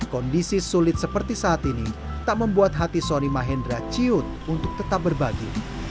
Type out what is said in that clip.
kondisi sulit seperti saat ini tak membuat hati soni mahendra ciut untuk tetap berbagi